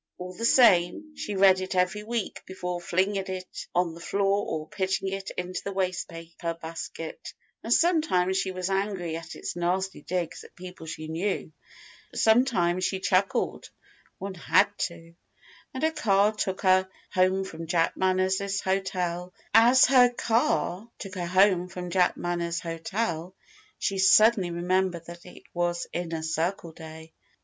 All the same, she read it every week before flinging it on the floor or pitching it into a wastepaper basket. Sometimes she was angry at its nasty digs at people she knew; sometimes she chuckled (one had to!). As her car took her home from Jack Manners' hotel she suddenly remembered that it was Inner Circle day.